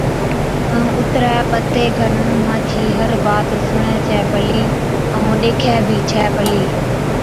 ائُون اُترَي پتَي کن مانڇِي هر بات سُڻَي ڇَي پلِي ائُون ڏيکَي بہ ڇَي پلِي۔